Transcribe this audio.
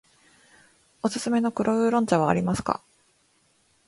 おすすめの黒烏龍茶はありますか。